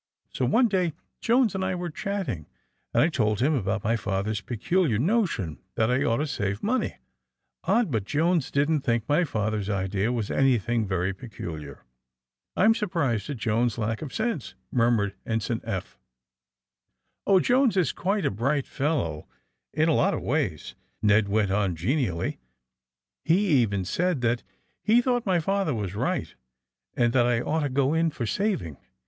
So, one day, Jones and I were chatting, and I told him about my father's peculiar no tion that I ought to save money. Odd, but Jones didn't think my father's idea was any thing very peculiar." I'm surprised at Jones's lack of sense," murmured Ensign Eph. Oh, Jones is quite a bright fellow, in a lot of ways," Ned went on genially. He even said that he thought my father was right, and that I ought to go in for saving.